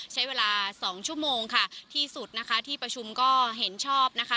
ใช้เวลาสองชั่วโมงค่ะที่สุดนะคะที่ประชุมก็เห็นชอบนะคะ